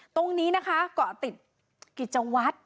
ตรงนี้นะคะเกาะติดกิจวัตร